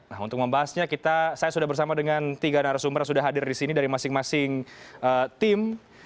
nah untuk membahasnya saya sudah bersama dengan tiga narasumber yang sudah hadir di sini dari masing masing tim